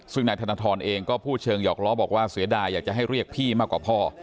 ซึ่งนายธนทรเองก็พูดเชิงหอกล้อบอกว่าเสียดายอยากจะให้เรียกพี่มากกว่าพ่อ